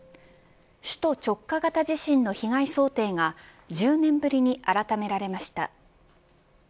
首都直下型地震の被害想定が１０年ぶりに改められました。